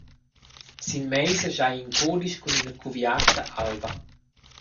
Sin meisa schai in cudisch cun ina cuviarta alva.